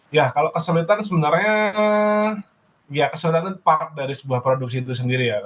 ya kalau kesulitan sebenarnya ya kesulitan part dari sebuah produksi itu sendiri ya